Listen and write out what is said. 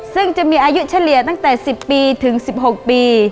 ซึ่งจะมีอายุเฉลี่ยตั้งแต่๑๐ปีถึง๑๖ปี